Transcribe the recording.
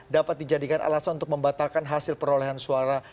dapat dijadikan alasan untuk membatalkan hasil perolehan suara